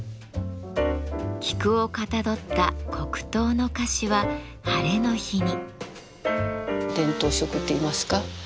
菊をかたどった黒糖の菓子はハレの日に。